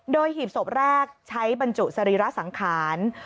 โดยหีบศพแรกใช้บรรจุสรีระสังขาร